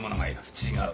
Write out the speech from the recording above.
違う。